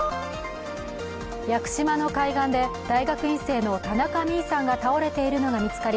屋久島の海岸で大学院生の田中美衣さんが倒れているのが見つかり